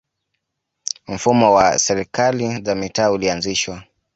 mfumo wa serikali za mitaa ulianzishwa